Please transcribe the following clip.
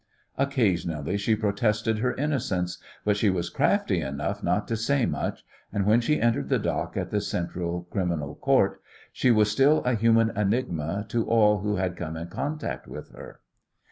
Occasionally she protested her innocence, but she was crafty enough not to say much, and when she entered the dock at the Central Criminal Court she was still a human enigma to all who had come in contact with her.